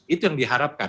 itu yang diharapkan